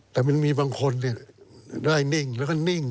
แต่มันมีบางคนได้นิ่งนิ่ง